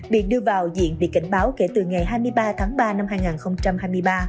bị đưa vào diện bị cảnh báo kể từ ngày hai mươi ba tháng ba năm hai nghìn hai mươi ba